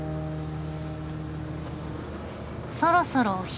そろそろお昼。